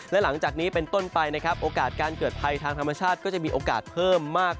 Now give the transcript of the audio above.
และหลังจากนี้เป็นต้นไปนะครับโอกาสการเกิดภัยทางธรรมชาติก็จะมีโอกาสเพิ่มมาก